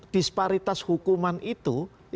disparitas hukuman itu